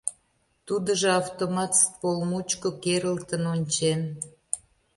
Тудыжо автомат ствол мучко керылтын ончен.